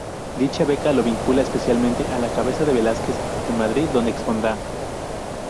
Dicha beca lo vincula especialmente a la Casa de Velázquez, en Madrid, donde expondrá.